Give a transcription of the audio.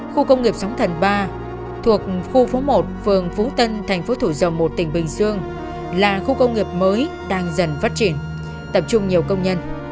khu công nghiệp sóng thần ba thuộc khu phố một phường phú tân thành phố thủ dầu một tỉnh bình dương là khu công nghiệp mới đang dần phát triển tập trung nhiều công nhân